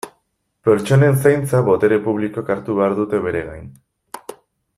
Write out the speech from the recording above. Pertsonen zaintza botere publikoek hartu behar dute bere gain.